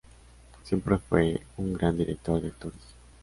Siempre fue un gran director de actores.